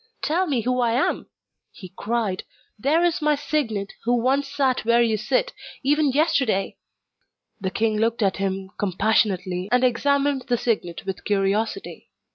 'Tell me who I am,' he cried; 'there is my signet, who once sat where you sit even yesterday!' The king looked at him compassionately, and examined the signet with curiosity.